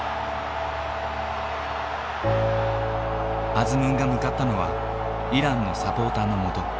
アズムンが向かったのはイランのサポーターのもと。